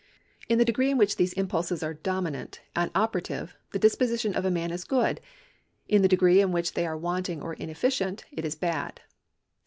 In the degree in which these impulses are domi nant and operative, the disposition of a man is good ; in the degree in which they are wanting or inefficient, it is bad.